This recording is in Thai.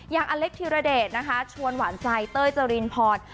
อย่างอเล็กทิรเดชนะคะชวนหวานใจเต้ยเจรินพอร์ต